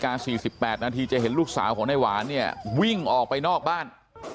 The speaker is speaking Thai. ๔๘นาทีจะเห็นลูกสาวของนายหวานเนี่ยวิ่งออกไปนอกบ้าน